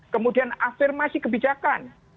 kemudian afirmasi kebijakan